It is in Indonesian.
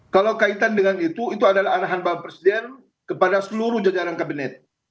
kalau kaitan dengan itu itu adalah arahan bapak presiden kepada seluruh jajaran kabinet